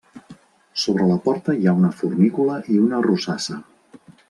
Sobre la porta hi ha una fornícula i una rosassa.